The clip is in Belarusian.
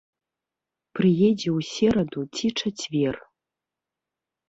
Прыедзе ў сераду ці чацвер.